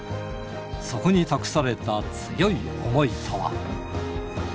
そこに託された強い想いとは。